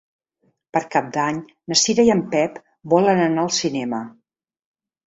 Per Cap d'Any na Cira i en Pep volen anar al cinema.